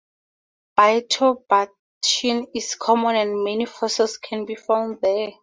Bioturbation is common and many fossils can be found here.